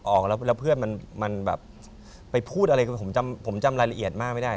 ออกแล้วแล้วเพื่อนมันแบบไปพูดอะไรผมจำผมจำรายละเอียดมากไม่ได้